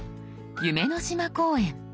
「夢の島公園」。